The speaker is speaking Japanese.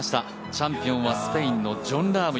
チャンピオンはスペインのジョン・ラーム。